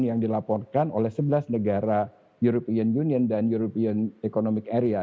yang dilaporkan oleh sebelas negara european union dan european economic area